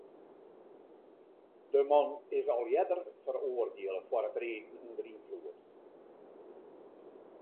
De man is al earder feroardiele foar it riden ûnder ynfloed.